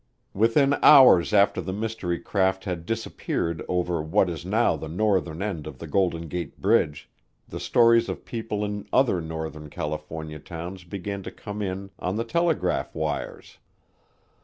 Within hours after the mystery craft had disappeared over what is now the northern end of the Golden Gate Bridge, the stories of people in other northern California towns began to come in on the telegraph wires.